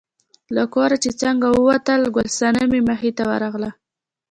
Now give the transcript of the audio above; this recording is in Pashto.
له کوره چې څنګه ووتل، ګل صنمې مخې ته ورغله.